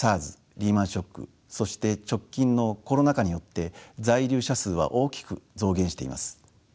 リーマンショックそして直近のコロナ禍によって在留者数は大きく増減しています。